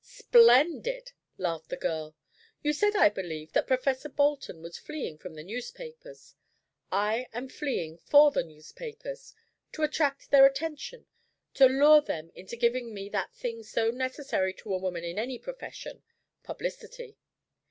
"Splendid!" laughed the girl. "You said, I believe, that Professor Bolton was fleeing from the newspapers. I am fleeing for the newspapers to attract their attention to lure them into giving me that thing so necessary to a woman in my profession, publicity.